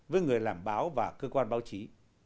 với người làm báo và cơ quan báo chí